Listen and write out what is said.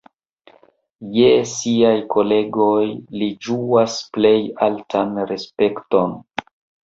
Je siaj kolegoj li ĝuas plej altan respekton.